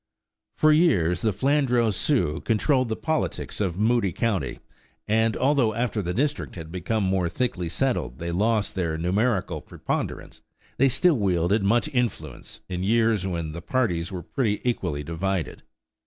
For years the Flandreau Sioux controlled the politics of Moody County, and although after the district had become more thickly settled they lost their numerical preponderance, they still wielded much influence in years when the parties were pretty equally divided.